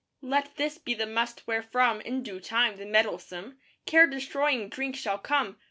Let this be the must wherefrom, In due time, the mettlesome Care destroying drink shall come.